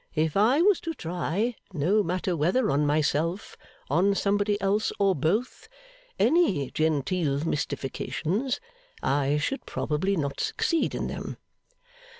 If I was to try no matter whether on myself, on somebody else, or both any genteel mystifications, I should probably not succeed in them.